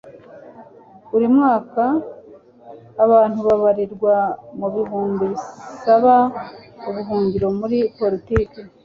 Buri mwaka abantu babarirwa mu bihumbi basaba ubuhungiro muri politiki.